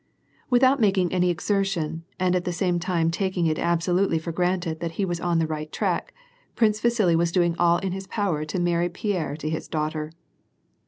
Without making any exertion, and at the same time taking it absolutely for granted that he was on the right tracks Prince Vasili was doing all in his power to marry Pierre to his daughter.